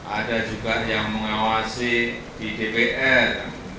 ada juga yang mengawasi di dpr